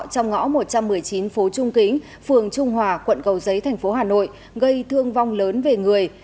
trong ngõ một trăm một mươi chín phố trung kính phường trung hòa quận cầu giấy thành phố hà nội gây thương vong lớn về người